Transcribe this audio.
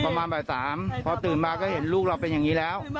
ประมาณบ่าย๓พอตื่นมาก็เห็นลูกเราเป็นอย่างนี้แล้ว